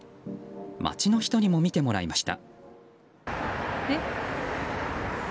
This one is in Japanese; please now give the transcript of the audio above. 街の人にも見てもらいました。